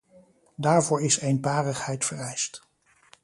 Daarvoor is eenparigheid vereist.